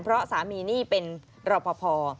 เพราะสามีนี่เป็นรอปภ